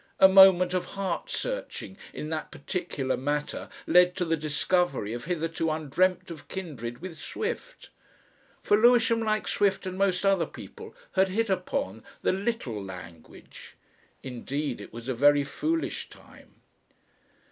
A moment of heart searching in that particular matter led to the discovery of hitherto undreamt of kindred with Swift. For Lewisham, like Swift and most other people, had hit upon, the Little Language. Indeed it was a very foolish time.